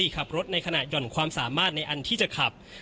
ขับรถในขณะห่อนความสามารถในอันที่จะขับ